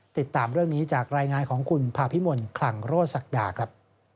ติดตามเรื่องนี้จากรายงานของคุณภาพิมลคลังโรศักดาครับ